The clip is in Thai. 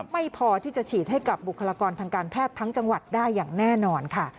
ไม่พอที่จะฉีดให้กับบุคลากรทางการแพทย์ทั้งจังหวัดได้อย่างแน่นอนค่ะ